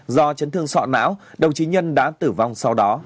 do chấn thương sọ não đồng chí nhân đã tử vong sau đó